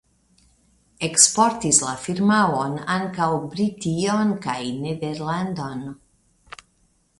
Eksportis la firmaon ankaŭ Brition kaj Nederlandon.